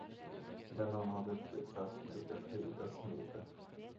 Men han hade inte kraft nog att hejda Smirre.